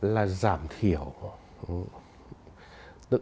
là giảm thiểu